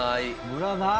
ムラない！